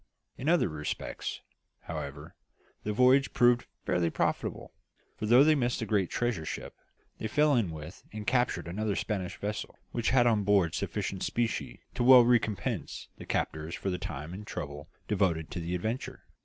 In other respects, however, the voyage proved fairly profitable; for though they missed the great treasure ship, they fell in with and captured another Spanish vessel which had on board sufficient specie to well recompense the captors for the time and trouble devoted to the adventure.